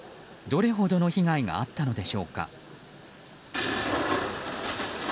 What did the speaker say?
どれほどの被害があったのでしょうか。